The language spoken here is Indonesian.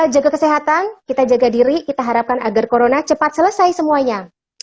jaga kesehatan kita jaga diri kita harapkan agar corona cepat selesai semuanya